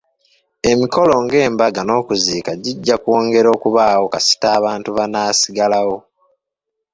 Emikolo nga embaga n'okuziika gijja kwongera okubaawo kasita abantu banaasigalawo.